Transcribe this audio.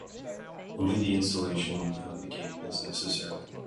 Only the installation of the game is necessary.